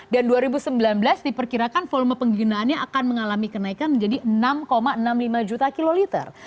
dan dua ribu sembilan belas diperkirakan volume penggunaannya akan mengalami kenaikan menjadi enam enam puluh lima juta kiloliter